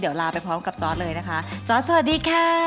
เดี๋ยวลาไปพร้อมกับจอร์ดเลยนะคะจอร์ดสวัสดีค่ะ